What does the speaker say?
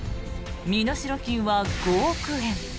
身代金は５億円。